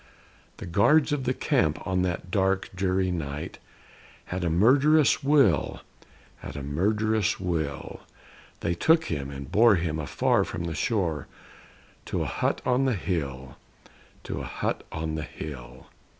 The guards of the camp, on that dark, dreary night, Had a murderous will; had a murderous will. They took him and bore him afar from the shore, To a hut on the hill; to a hut on the hill.